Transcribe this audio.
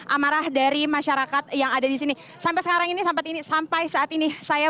amarah dari masyarakat yang ada di sini sampai sekarang ini sampai ini sampai saat ini saya